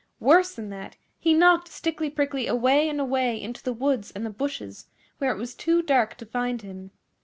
Worse than that, he knocked Stickly Prickly away and away into the woods and the bushes, where it was too dark to find him.